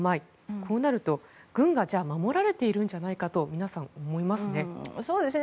こうなると、軍が守られているんじゃないかと皆さん、思いますよね。